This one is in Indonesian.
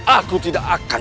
aku tidak akan